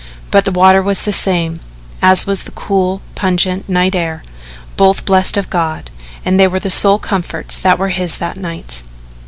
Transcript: But the water was the same, as was the cool, pungent night air both blessed of God and they were the sole comforts that were his that night.